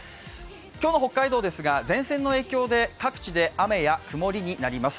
今日の北海道ですが、前線の影響で各地でくもりや雨になります。